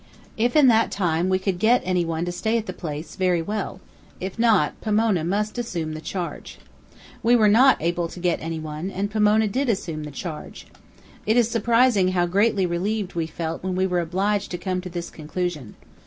If in that time we could get any one to stay at the place, very well; if not, Pomona must assume the charge. We were not able to get any one, and Pomona did assume the charge. It is surprising how greatly relieved we felt when we were obliged to come to this conclusion.